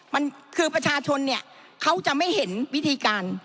มันคือประชาชนเนี่ยเขาจะไม่เห็นวิธีการ